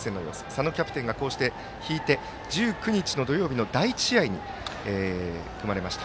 佐野キャプテンが引いて１９日の土曜日の第１試合に組まれました。